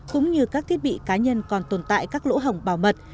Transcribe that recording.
cũng như các thiết bị cá nhân còn tồn tại các lỗ hỏng bảo mật